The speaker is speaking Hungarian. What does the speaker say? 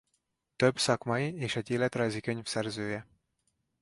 Több szakmai és egy életrajzi könyv szerzője.